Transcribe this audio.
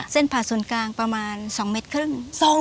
เส้นผ่านศูนย์กลางประมาณ๒เมตรครึ่ง